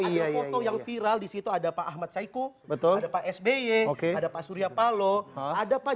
iya iya yang viral disitu ada pak ahmad saiku betul betul sby oke ada pak surya paloh ada pak